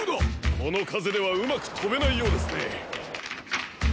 このかぜではうまくとべないようですね。